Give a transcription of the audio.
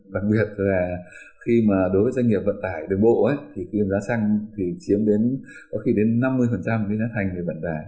đặc biệt là khi mà đối với doanh nghiệp vận tải đường bộ thì khi giá xăng thì chiếm đến có khi đến năm mươi cái giá thành về vận tải